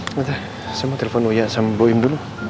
sebentar saya mau telepon uya sama boyim dulu